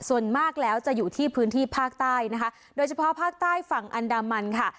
ส่วนมากแล้วจะอยู่ที่พื้นที่ภาคใต้นะคะโดยเฉพาะภาคใต้ฝั่งอันดามันค่ะ